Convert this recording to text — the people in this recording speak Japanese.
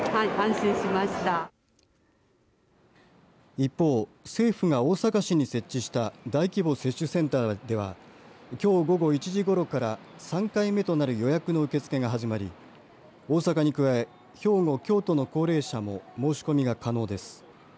一方、政府が大阪市に設置した大規模接種センターではきょう午後１時ごろから３回目となる予約の受け付けが始まり大阪に加え兵庫、京都の高齢者も申し込みが可能です。